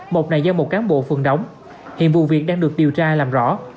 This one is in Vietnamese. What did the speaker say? mọc này do một cán bộ phường đóng hiện vụ việc đang được điều tra làm rõ